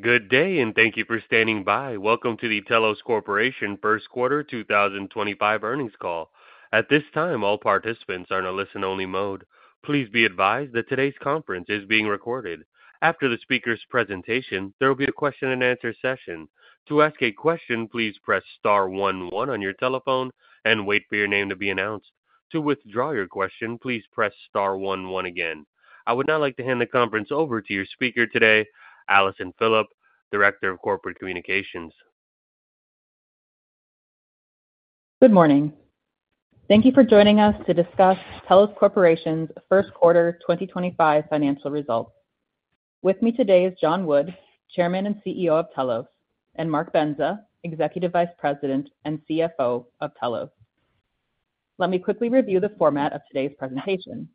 Good day, and thank you for standing by. Welcome to the Telos Corporation First Quarter 2025 earnings call. At this time, all participants are in a listen-only mode. Please be advised that today's conference is being recorded. After the speaker's presentation, there will be a question-and-answer session. To ask a question, please press star one-one on your telephone and wait for your name to be announced. To withdraw your question, please press star one-one again. I would now like to hand the conference over to your speaker today, Allison Phillipp, Director of Corporate Communications. Good morning. Thank you for joining us to discuss Telos Corporation's First Quarter 2025 financial results. With me today is John Wood, Chairman and CEO of Telos, and Mark Bendza, Executive Vice President and CFO of Telos. Let me quickly review the format of today's presentation.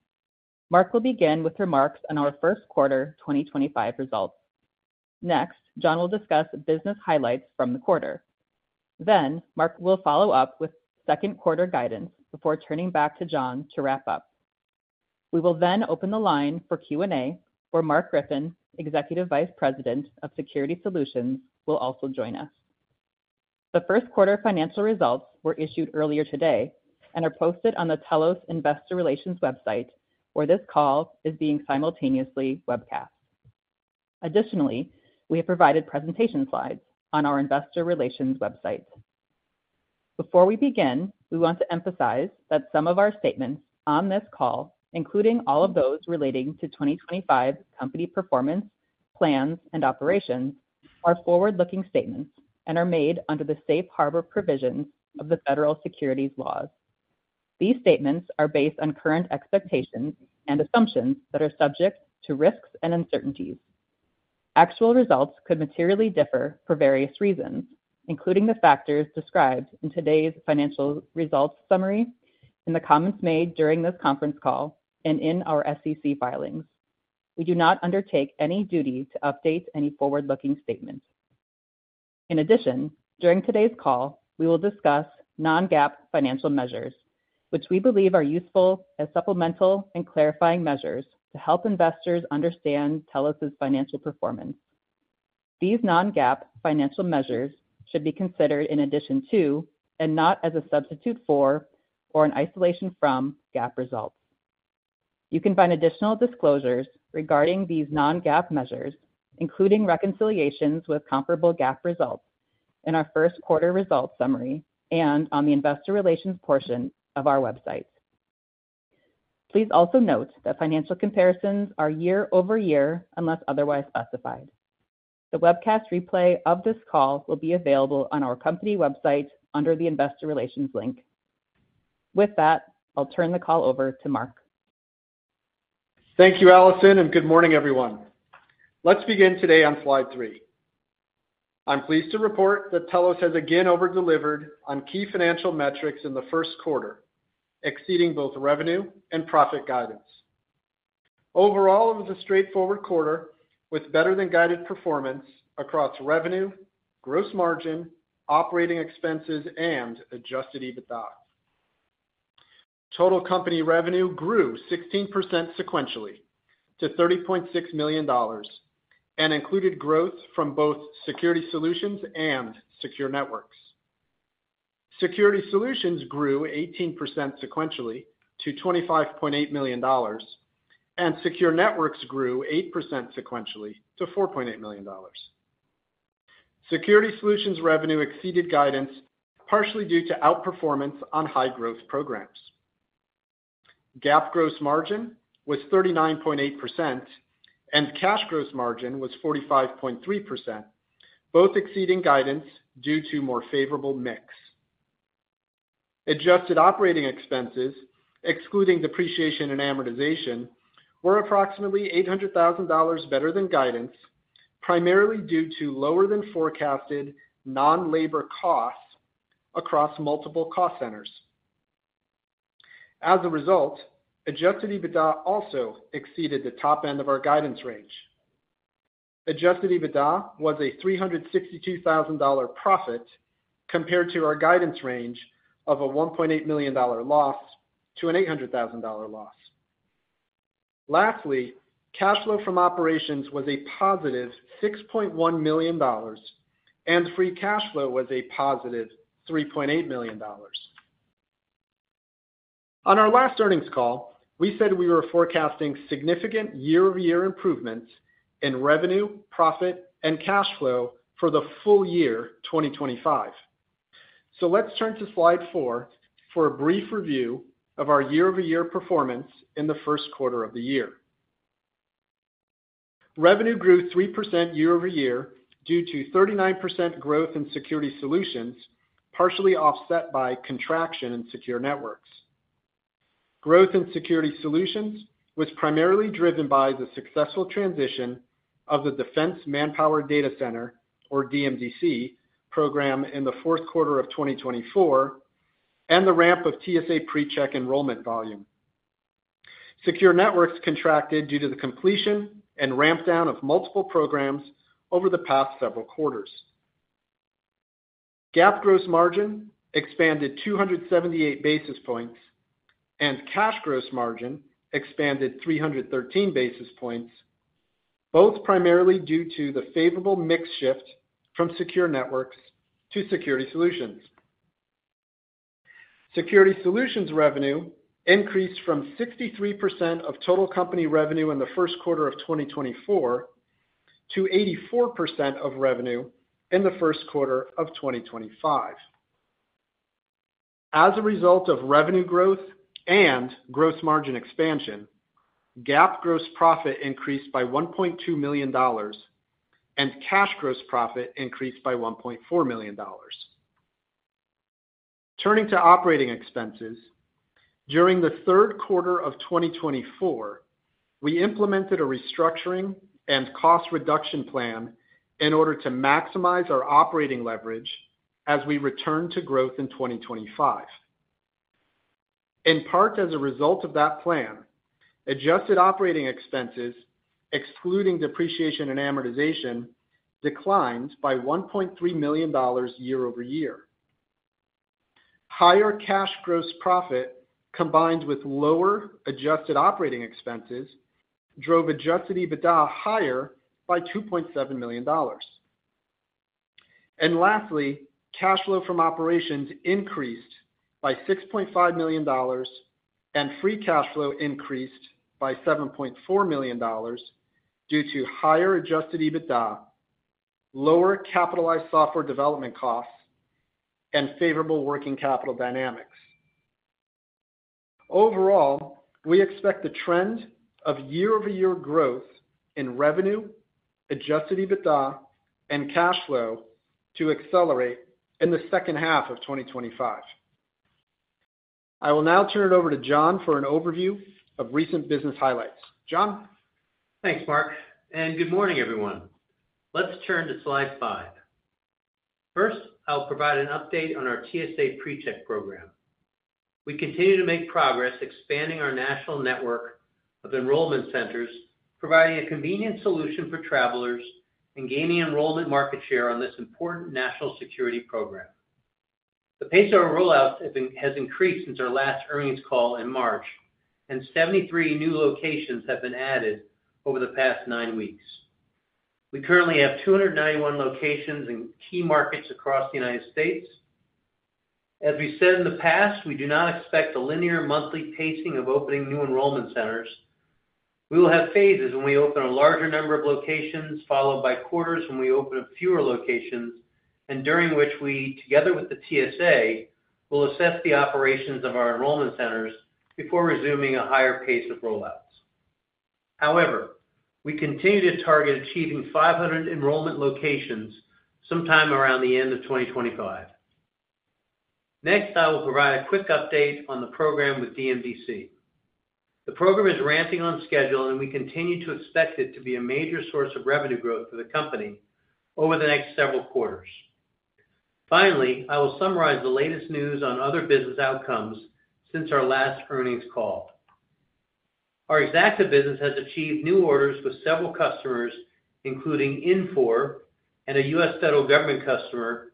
Mark will begin with remarks on our First Quarter 2025 results. Next, John will discuss business highlights from the quarter. Mark will follow-up with second quarter guidance before turning back to John to wrap up. We will then open the line for Q&A, where Mark Griffin, Executive Vice President of Security Solutions, will also join us. The first quarter financial results were issued earlier today and are posted on the Telos Investor Relations website, where this call is being simultaneously webcast. Additionally, we have provided presentation slides on our Investor Relations website. Before we begin, we want to emphasize that some of our statements on this call, including all of those relating to 2025 company performance, plans, and operations, are forward-looking statements and are made under the safe harbor provisions of the federal securities laws. These statements are based on current expectations and assumptions that are subject to risks and uncertainties. Actual results could materially differ for various reasons, including the factors described in today's financial results summary, in the comments made during this conference call, and in our SEC filings. We do not undertake any duty to update any forward-looking statements. In addition, during today's call, we will discuss non-GAAP financial measures, which we believe are useful as supplemental and clarifying measures to help investors understand Telos's financial performance. These non-GAAP financial measures should be considered in addition to, and not as a substitute for, or in isolation from GAAP results. You can find additional disclosures regarding these non-GAAP measures, including reconciliations with comparable GAAP results, in our First Quarter Results Summary and on the Investor Relations portion of our website. Please also note that financial comparisons are year-over-year unless otherwise specified. The webcast replay of this call will be available on our company website under the Investor Relations link. With that, I'll turn the call over to Mark. Thank you, Allison, and good morning, everyone. Let's begin today on slide three. I'm pleased to report that Telos has again over-delivered on key financial metrics in the first quarter, exceeding both revenue and profit guidance. Overall, it was a straightforward quarter with better-than-guided performance across revenue, gross margin, operating expenses, and adjusted EBITDA. Total company revenue grew 16% sequentially to $30.6 million and included growth from both Security Solutions and Secure Networks. Security Solutions grew 18% sequentially to $25.8 million, and Secure Networks grew 8% sequentially to $4.8 million. Security Solutions' revenue exceeded guidance partially due to outperformance on high-growth programs. GAAP gross margin was 39.8%, and cash gross margin was 45.3%, both exceeding guidance due to a more favorable mix. Adjusted operating expenses, excluding depreciation and amortization, were approximately $800,000 better than guidance, primarily due to lower-than-forecasted non-labor costs across multiple cost centers. As a result, adjusted EBITDA also exceeded the top end of our guidance range. Adjusted EBITDA was a $362,000 profit compared to our guidance range of a $1.8 million loss to an $800,000 loss. Lastly, cash flow from operations was a +$6.1 million, and free cash flow was a +$3.8 million. On our last earnings call, we said we were forecasting significant year-over-year improvements in revenue, profit, and cash flow for the full year 2025. Let's turn to slide four for a brief review of our year-over-year performance in the first quarter of the year. Revenue grew 3% year-over-year due to 39% growth in Security Solutions, partially offset by contraction in Secure Networks. Growth in Security Solutions was primarily driven by the successful transition of the Defense Manpower Data Center, or DMDC, program in the fourth quarter of 2024 and the ramp of TSA PreCheck enrollment volume. Secure Networks contracted due to the completion and ramp-down of multiple programs over the past several quarters. GAAP gross margin expanded 278 basis points, and cash gross margin expanded 313 basis points, both primarily due to the favorable mix shift from Secure Networks to Security Solutions. Security Solutions' revenue increased from 63% of total company revenue in the first quarter of 2024 to 84% of revenue in the first quarter of 2025. As a result of revenue growth and gross margin expansion, GAAP gross profit increased by $1.2 million and cash gross profit increased by $1.4 million. Turning to operating expenses, during the third quarter of 2024, we implemented a restructuring and cost reduction plan in order to maximize our operating leverage as we return to growth in 2025. In part as a result of that plan, adjusted operating expenses, excluding depreciation and amortization, declined by $1.3 million year-over-year. Higher cash gross profit combined with lower adjusted operating expenses drove adjusted EBITDA higher by $2.7 million. Lastly, cash flow from operations increased by $6.5 million and free cash flow increased by $7.4 million due to higher adjusted EBITDA, lower capitalized software development costs, and favorable working capital dynamics. Overall, we expect the trend of year-over-year growth in revenue, adjusted EBITDA, and cash flow to accelerate in the second half of 2025. I will now turn it over to John for an overview of recent business highlights. John. Thanks, Mark. Good morning, everyone. Let's turn to slide five. First, I'll provide an update on our TSA PreCheck program. We continue to make progress expanding our national network of enrollment centers, providing a convenient solution for travelers and gaining enrollment market share on this important national security program. The pace of our rollout has increased since our last earnings call in March, and 73 new locations have been added over the past nine weeks. We currently have 291 locations in key markets across the United States. As we said in the past, we do not expect a linear monthly pacing of opening new enrollment centers. We will have phases when we open a larger number of locations, followed by quarters when we open fewer locations, and during which we, together with the TSA, will assess the operations of our enrollment centers before resuming a higher pace of rollouts. However, we continue to target achieving 500 enrollment locations sometime around the end of 2025. Next, I will provide a quick update on the program with DMDC. The program is ramping on schedule, and we continue to expect it to be a major source of revenue growth for the company over the next several quarters. Finally, I will summarize the latest news on other business outcomes since our last earnings call. Our executive business has achieved new orders with several customers, including Infor and a U.S. federal government customer,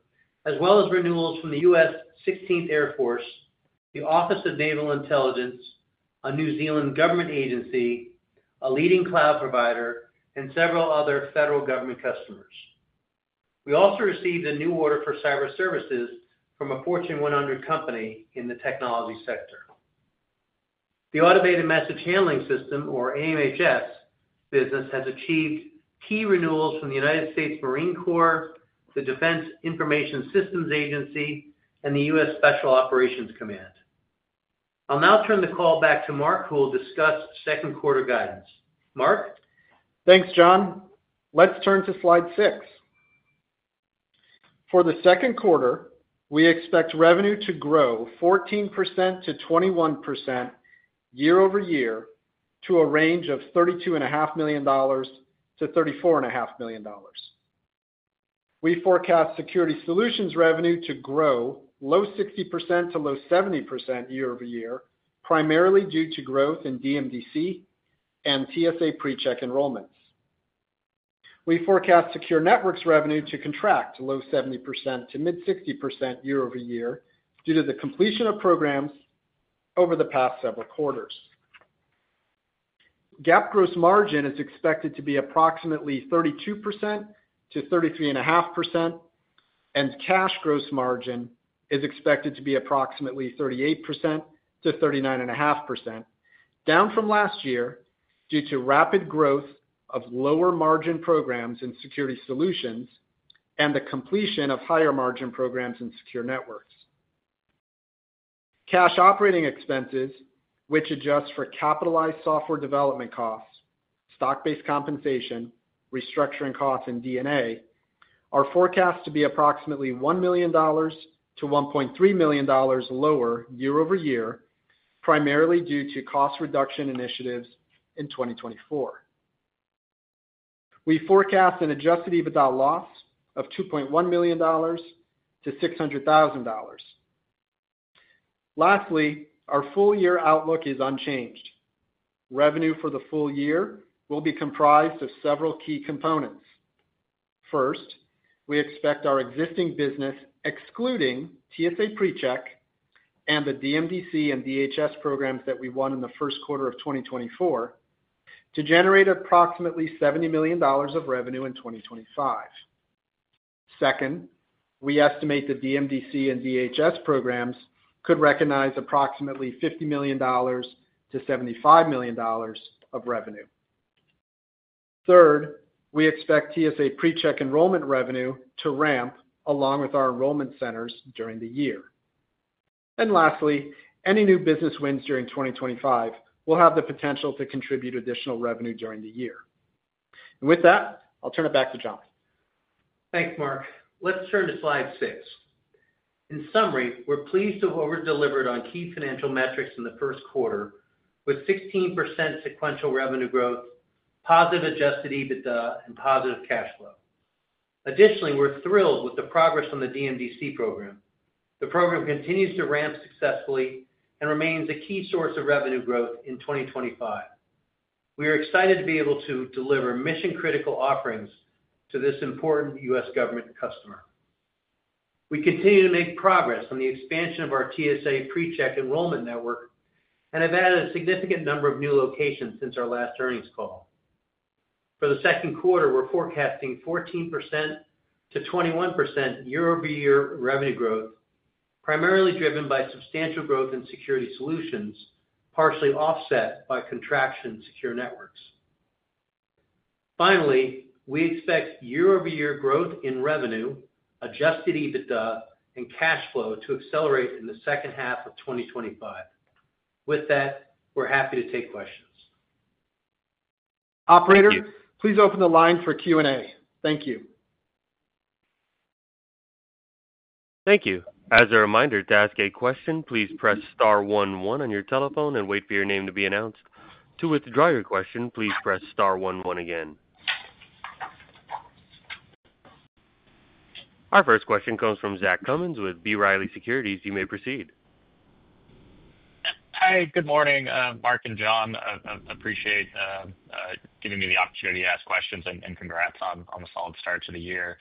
as well as renewals from the U.S. 16th Air Force, the Office of Naval Intelligence, a New Zealand government agency, a leading cloud provider, and several other federal government customers. We also received a new order for cyber services from a Fortune 100 company in the technology sector. The Automated Message Handling System, or AMHS business, has achieved key renewals from the U.S. Marine Corps, the Defense Information Systems Agency, and the U.S. Special Operations Command. I'll now turn the call back to Mark, who will discuss second quarter guidance. Mark. Thanks, John. Let's turn to slide six. For the second quarter, we expect revenue to grow 14%-21% year-over-year to a range of $32.5 million-$34.5 million. We forecast Security Solutions revenue to grow low 60% to low 70% year-over-year, primarily due to growth in DMDC and TSA PreCheck enrollments. We forecast Secure Networks revenue to contract low 70% to mid-60% year-over-year due to the completion of programs over the past several quarters. GAAP gross margin is expected to be approximately 32%-33.5%, and cash gross margin is expected to be approximately 38%-39.5%, down from last year due to rapid growth of lower margin programs in Security Solutions and the completion of higher margin programs in Secure Networks. Cash operating expenses, which adjust for capitalized software development costs, stock-based compensation, restructuring costs, and DNA, are forecast to be approximately $1 million-$1.3 million lower year-over-year, primarily due to cost reduction initiatives in 2024. We forecast an adjusted EBITDA loss of $2.1 million-$600,000. Lastly, our full-year outlook is unchanged. Revenue for the full year will be comprised of several key components. First, we expect our existing business, excluding TSA PreCheck and the DMDC and DHS programs that we won in the first quarter of 2024, to generate approximately $70 million of revenue in 2025. Second, we estimate the DMDC and DHS programs could recognize approximately $50 million-$75 million of revenue. Third, we expect TSA PreCheck enrollment revenue to ramp along with our enrollment centers during the year. Lastly, any new business wins during 2025 will have the potential to contribute additional revenue during the year. With that, I'll turn it back to John. Thanks, Mark. Let's turn to slide six. In summary, we're pleased to have over-delivered on key financial metrics in the first quarter, with 16% sequential revenue growth, positive adjusted EBITDA, and positive cash flow. Additionally, we're thrilled with the progress on the DMDC program. The program continues to ramp successfully and remains a key source of revenue growth in 2025. We are excited to be able to deliver mission-critical offerings to this important U.S. government customer. We continue to make progress on the expansion of our TSA PreCheck enrollment network and have added a significant number of new locations since our last earnings call. For the second quarter, we're forecasting 14%-21% year-over-year revenue growth, primarily driven by substantial growth in Security Solutions, partially offset by contraction in Secure Networks. Finally, we expect year-over-year growth in revenue, adjusted EBITDA, and cash flow to accelerate in the second half of 2025. With that, we're happy to take questions. Operator, please open the line for Q&A. Thank you. Thank you. As a reminder, to ask a question, please press star one one on your telephone and wait for your name to be announced. To withdraw your question, please press star one one again. Our first question comes from Zach Cummins with B. Riley Securities. You may proceed. Hi, good morning, Mark and John. I appreciate giving me the opportunity to ask questions and congrats on a solid start to the year.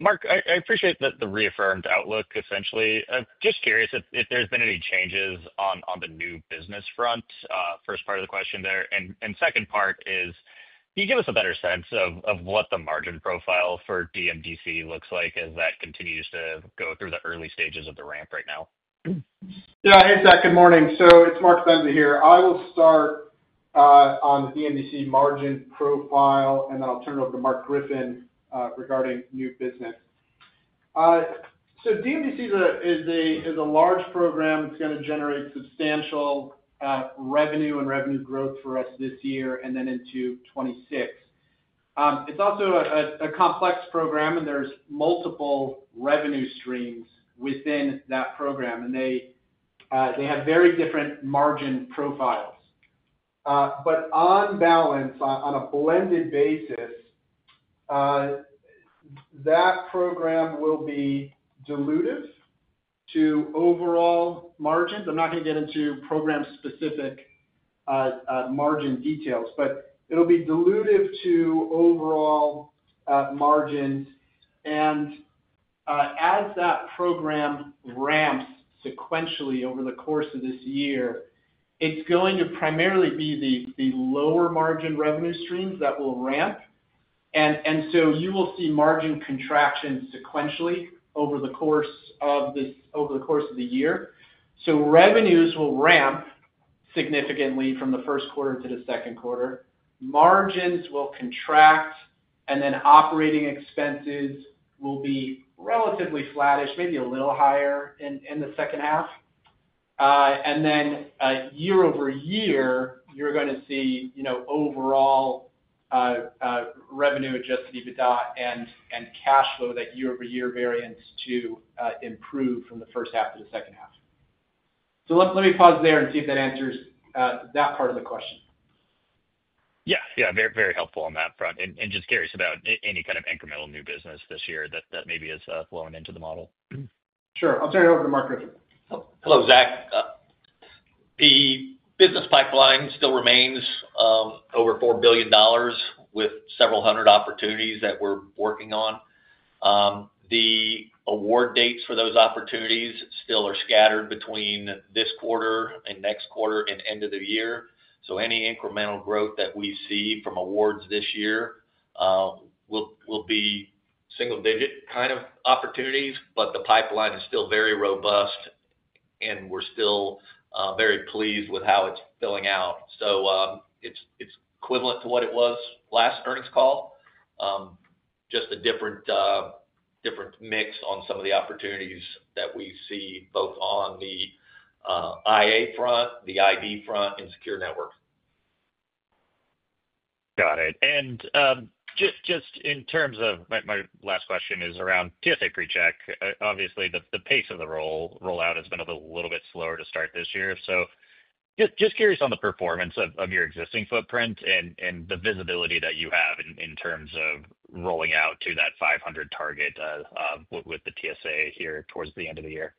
Mark, I appreciate the reaffirmed outlook, essentially. Just curious if there's been any changes on the new business front, first part of the question there. The second part is, can you give us a better sense of what the margin profile for DMDC looks like as that continues to go through the early stages of the ramp right now? Yeah, hey, Zach, good morning. It's Mark Bendza here. I will start on the DMDC margin profile, and then I'll turn it over to Mark Griffin regarding new business. DMDC is a large program. It's going to generate substantial revenue and revenue growth for us this year and then into 2026. It's also a complex program, and there are multiple revenue streams within that program, and they have very different margin profiles. On balance, on a blended basis, that program will be dilutive to overall margins. I'm not going to get into program-specific margin details, but it will be dilutive to overall margins. As that program ramps sequentially over the course of this year, it's going to primarily be the lower margin revenue streams that will ramp. You will see margin contraction sequentially over the course of the year. Revenues will ramp significantly from the first quarter to the second quarter. Margins will contract, and then operating expenses will be relatively flattish, maybe a little higher in the second half. Year-over-year, you're going to see overall revenue, adjusted EBITDA, and cash flow, that year-over-year variance to improve from the first half to the second half. Let me pause there and see if that answers that part of the question. Yeah, yeah, very helpful on that front. Just curious about any kind of incremental new business this year that maybe is flowing into the model. Sure. I'll turn it over to Mark Griffin. Hello, Zach. The business pipeline still remains over $4 billion with several hundred opportunities that we're working on. The award dates for those opportunities still are scattered between this quarter and next quarter and end of the year. Any incremental growth that we see from awards this year will be single-digit kind of opportunities, but the pipeline is still very robust, and we're still very pleased with how it's filling out. It's equivalent to what it was last earnings call, just a different mix on some of the opportunities that we see both on the IA front, the ID front, and Secure Network. Got it. Just in terms of my last question, it is around TSA PreCheck. Obviously, the pace of the rollout has been a little bit slower to start this year. Just curious on the performance of your existing footprint and the visibility that you have in terms of rolling out to that 500 target with the TSA here towards the end of the year.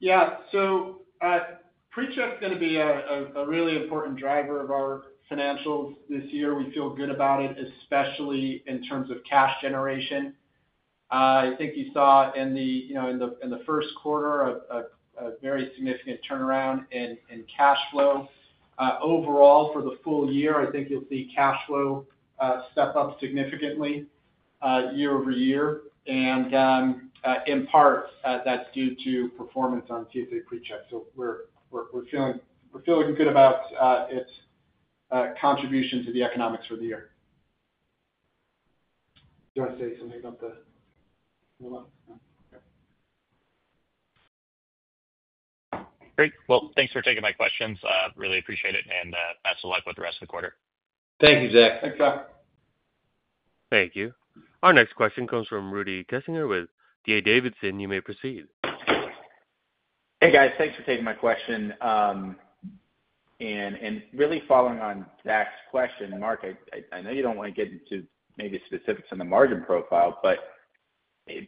Yeah. PreCheck is going to be a really important driver of our financials this year. We feel good about it, especially in terms of cash generation. I think you saw in the first quarter a very significant turnaround in cash flow. Overall, for the full year, I think you'll see cash flow step up significantly year-over-year. In part, that's due to performance on TSA PreCheck. We're feeling good about its contribution to the economics for the year. Do I say something about the rollout? Great. Thanks for taking my questions. Really appreciate it. Best of luck with the rest of the quarter. Thank you, Zach. Thanks, John. Thank you. Our next question comes from Rudy Kessinger with D.A. Davidson. You may proceed. Hey, guys. Thanks for taking my question. Really following on Zach's question, Mark, I know you don't want to get into maybe specifics on the margin profile, but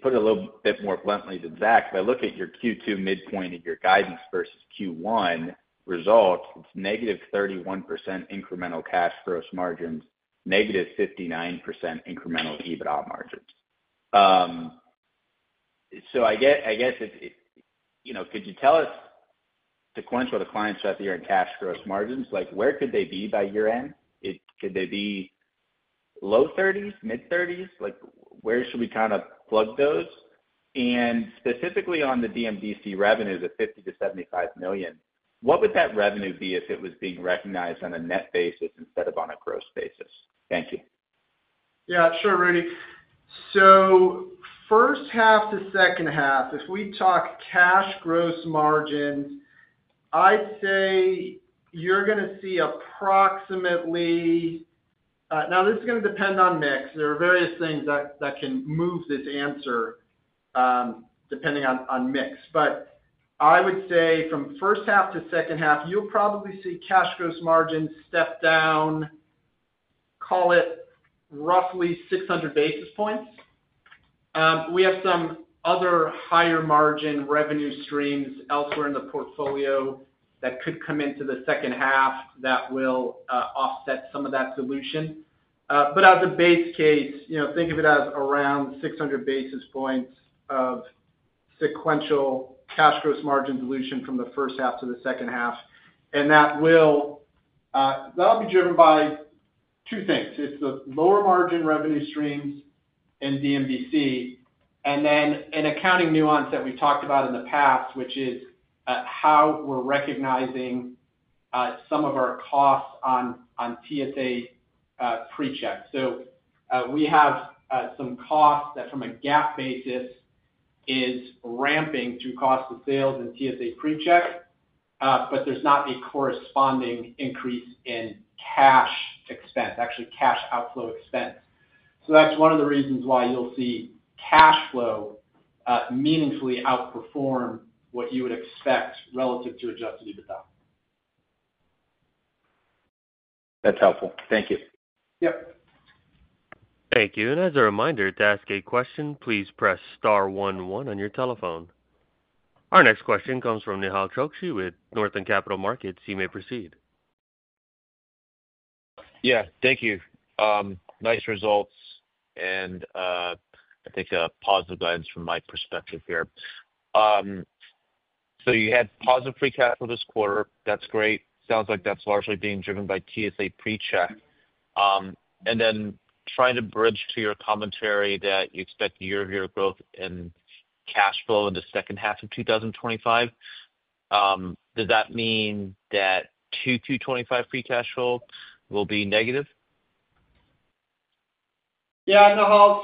put it a little bit more bluntly to Zach. If I look at your Q2 midpoint of your guidance versus Q1 results, it's -31% incremental cash gross margins, -59% incremental EBITDA margins. I guess could you tell us sequentially the climbs throughout the year in cash gross margins? Where could they be by year-end? Could they be low 30s, mid-30s? Where should we kind of plug those? Specifically on the DMDC revenues at $50 million-$75 million, what would that revenue be if it was being recognized on a net basis instead of on a gross basis? Thank you. Yeah, sure, Rudy. So first half to second half, if we talk cash gross margins, I'd say you're going to see approximately, now this is going to depend on mix. There are various things that can move this answer depending on mix. I would say from first half to second half, you'll probably see cash gross margins step down, call it roughly 600 basis points. We have some other higher margin revenue streams elsewhere in the portfolio that could come into the second half that will offset some of that dilution. As a base case, think of it as around 600 basis points of sequential cash gross margin dilution from the first half to the second half. That'll be driven by two things. It's the lower margin revenue streams in DMDC and then an accounting nuance that we've talked about in the past, which is how we're recognizing some of our costs on TSA PreCheck. We have some costs that from a GAAP basis is ramping through cost of sales in TSA PreCheck, but there's not a corresponding increase in cash expense, actually cash outflow expense. That's one of the reasons why you'll see cash flow meaningfully outperform what you would expect relative to adjusted EBITDA. That's helpful. Thank you. Yep. Thank you. As a reminder, to ask a question, please press star one one on your telephone. Our next question comes from Nehal Chokshi with Northland Capital Markets. You may proceed. Yeah, thank you. Nice results. I think positive guidance from my perspective here. You had positive free cash flow this quarter. That's great. Sounds like that's largely being driven by TSA PreCheck. Trying to bridge to your commentary that you expect year-over-year growth in cash flow in the second half of 2025, does that mean that Q2 2025 free cash flow will be negative? Yeah, Nehal.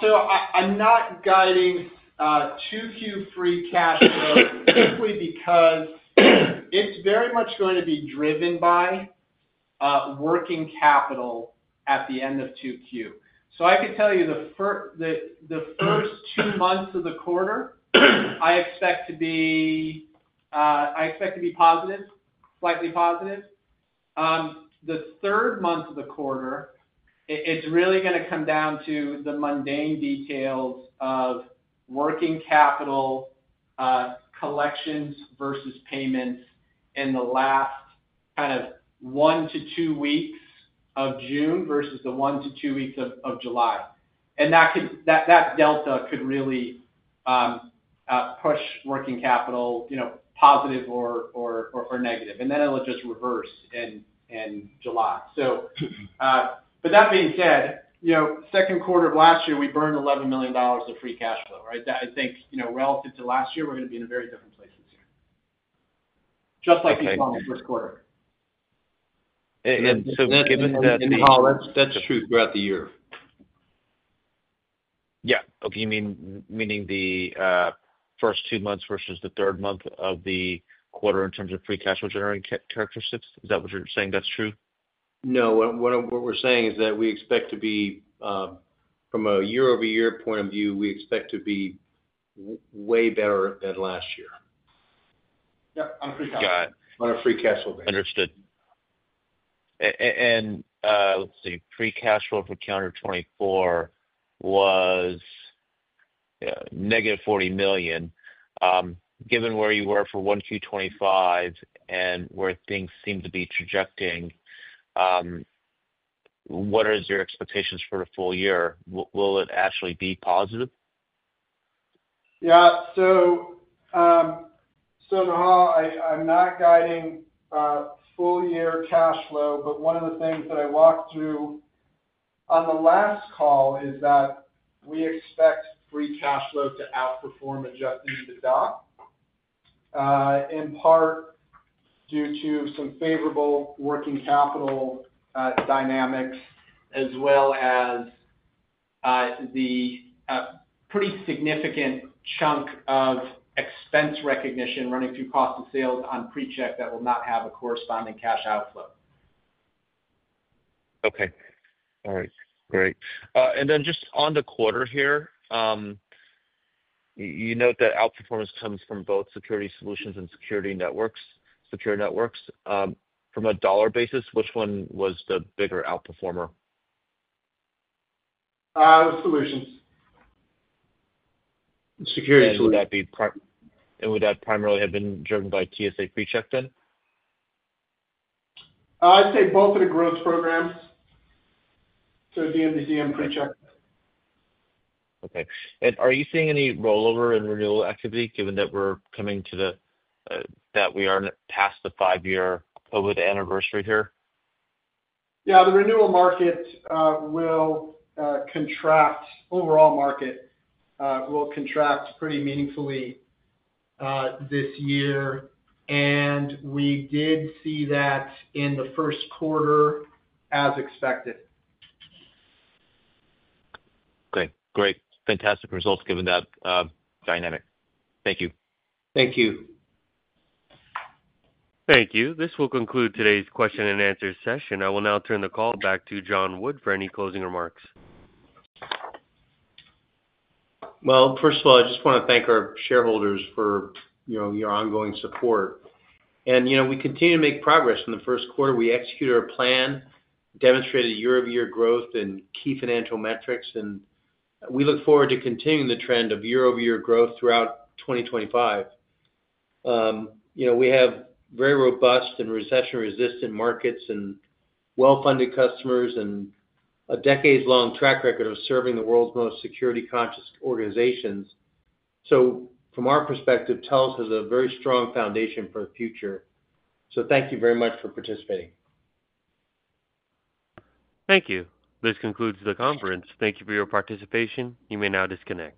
I'm not guiding Q2 free cash flow simply because it's very much going to be driven by working capital at the end of Q2. I could tell you the first two months of the quarter, I expect to be positive, slightly positive. The third month of the quarter, it's really going to come down to the mundane details of working capital collections versus payments in the last kind of one to two weeks of June versus the one to two weeks of July. That delta could really push working capital positive or negative. It'll just reverse in July. That being said, second quarter of last year, we burned $11 million of free cash flow, right? I think relative to last year, we're going to be in a very different place this year, just like we saw in the first quarter. Given that. Nehal, that's true throughout the year. Yeah. Okay. You mean the first two months versus the third month of the quarter in terms of free cash flow generating characteristics? Is that what you're saying is true? No. What we're saying is that we expect to be, from a year-over-year point of view, we expect to be way better than last year. Yep, on free cash. Got it. On a free cash flow basis. Understood. Let's see. Free cash flow for calendar 2024 was -$40 million. Given where you were for 1Q 2025 and where things seem to be trajecting, what are your expectations for the full year? Will it actually be positive? Yeah. Nehal, I'm not guiding full-year cash flow, but one of the things that I walked through on the last call is that we expect free cash flow to outperform adjusted EBITDA, in part due to some favorable working capital dynamics, as well as the pretty significant chunk of expense recognition running through cost of sales on PreCheck that will not have a corresponding cash outflow. Okay. All right. Great. Then just on the quarter here, you note that outperformance comes from both security solutions and secure networks. From a dollar basis, which one was the bigger outperformer? Solutions. Security solutions. Would that primarily have been driven by TSA PreCheck then? I'd say both of the growth programs. So DMDC and PreCheck. Okay. Are you seeing any rollover and renewal activity given that we're coming to the, that we are past the five-year COVID anniversary here? Yeah. The renewal market will contract. Overall market will contract pretty meaningfully this year. We did see that in the first quarter as expected. Okay. Great. Fantastic results given that dynamic. Thank you. Thank you. Thank you. This will conclude today's question and answer session. I will now turn the call back to John Wood for any closing remarks. First of all, I just want to thank our shareholders for your ongoing support. We continue to make progress in the first quarter. We executed our plan, demonstrated year-over-year growth in key financial metrics. We look forward to continuing the trend of year-over-year growth throughout 2025. We have very robust and recession-resistant markets and well-funded customers and a decades-long track record of serving the world's most security-conscious organizations. From our perspective, Telos has a very strong foundation for the future. Thank you very much for participating. Thank you. This concludes the conference. Thank you for your participation. You may now disconnect.